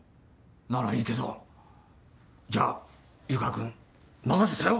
ならいいけどじゃあ湯川君任せたよ。